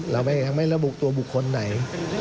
เรายังไม่ระบุตัวบุคคลไหน